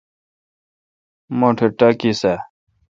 مٹھ ٹاکیس اؘ ۔